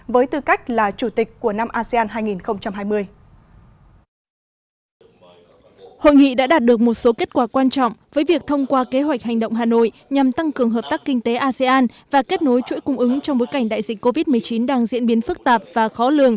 với tư cách là chủ tịch của năm asean hai nghìn hai mươi